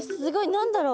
何だろう。